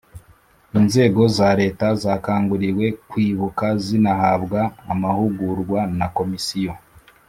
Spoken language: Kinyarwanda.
Inzego za Leta zakanguriwe kwibuka zinahabwa amahugurwa na Komisiyo